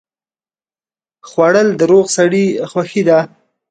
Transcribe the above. خوړل د روغ سړي خوښي ده